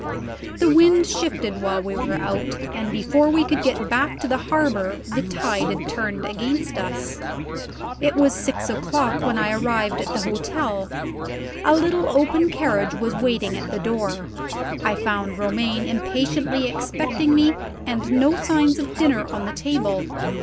The wind shifted while we were out, and before we could get back to the harbor, the tide had turned against us. It was six o'clock when I arrived at the hotel. A little open carriage was waiting at the door. I found Romayne impatiently expecting me, and no signs of dinner on the table.